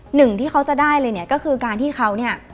หนึ่งที่เขาจะได้เลยก็คือการที่เขา